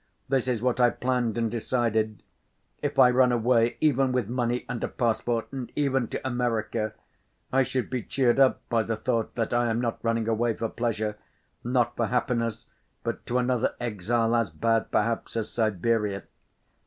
This is what I planned and decided. If I run away, even with money and a passport, and even to America, I should be cheered up by the thought that I am not running away for pleasure, not for happiness, but to another exile as bad, perhaps, as Siberia.